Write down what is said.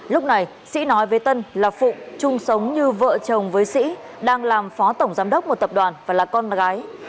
lúc này sĩ nói với tân là phụng chung sống như vợ chồng với sĩ đang làm phó tổng giám đốc một tập đoàn và là con gái